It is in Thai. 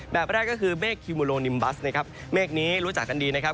แบบแรกก็คือเมฆคิโมโลนิมบัสนะครับเมฆนี้รู้จักกันดีนะครับ